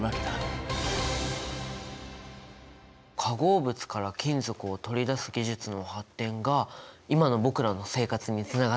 化合物から金属を取り出す技術の発展が今の僕らの生活につながってるんだね。